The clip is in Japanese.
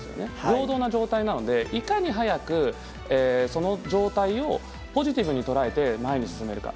平等な状態なのでいかに早くその状態をポジティブに捉えて前に進めるか